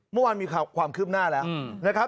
เมื่อวานมีความคืบหน้าแล้วนะครับ